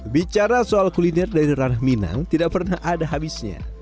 bicara soal kuliner dari ranah minang tidak pernah ada habisnya